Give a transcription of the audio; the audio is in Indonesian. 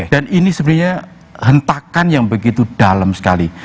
dan ini sebenarnya hentakan yang begitu dalam sekali